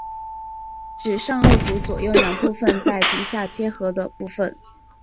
指上腭骨左右两部份在鼻下接合的部份。